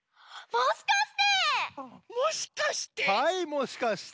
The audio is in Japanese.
もしかして！